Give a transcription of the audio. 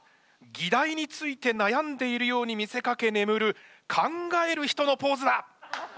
議題についてなやんでいるように見せかけ眠る考える人のポーズだ！